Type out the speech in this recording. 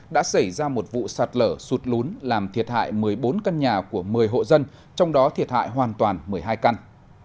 đã xảy ra một vụ sạt lở sụt lún làm thiệt hại một mươi bốn căn nhà của một mươi hộ dân trong đó thiệt hại hoàn toàn một mươi hai căn